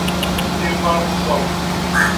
Este é un álbum dobre.